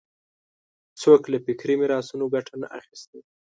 څوک له فکري میراثونو ګټه نه اخیستی